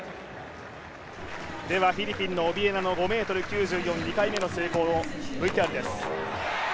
フィリピンのオビエナの５ｍ９４、２回目の成功のＶＴＲです。